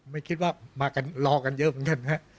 ไม่คิดว่ามากันรอกันเยอะเหมือนกันฮะ